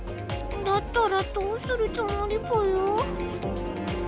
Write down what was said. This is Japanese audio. だったらどうするつもりぽよ？